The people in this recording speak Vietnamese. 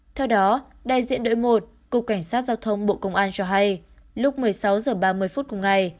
theo đó đại diện đội một cục cảnh sát giao thông bộ công an cho hay lúc một mươi sáu h ba mươi phút cùng ngày